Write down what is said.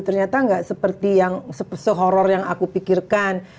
ternyata gak seperti yang se horror yang aku pikirkan